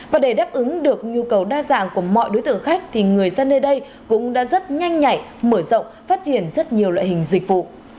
và để đáp ứng được nhu cầu đa dạng của mọi đối tượng khách thì người dân nơi đây cũng đã rất nhanh nhảy mở rộng phát triển rất nhiều loại hình dịch vụ